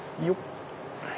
よっ。